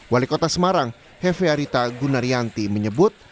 wali kota semarang hefe arita gunaryanti menyebut